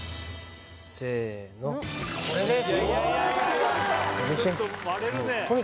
せーの、これです。